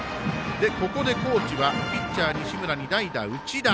ここで高知はピッチャー、西村に代打、内田。